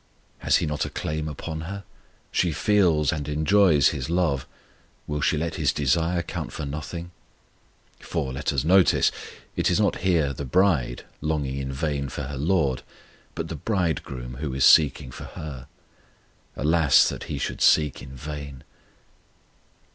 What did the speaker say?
Has He not a claim upon her? She feels and enjoys His love, will she let His desire count for nothing? For, let us notice, it is not here the bride longing in vain for her LORD, but the Bridegroom who is seeking for her. Alas that He should seek in vain!